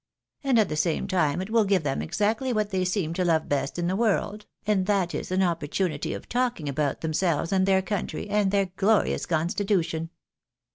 And at the same time it will give them exactly what they seem to love best in the world, and that is an opportunity of talking about themselves, and their country, and their glorious constitution."